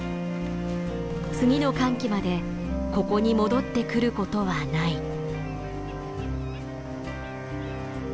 次の乾季までここに戻ってくることはない。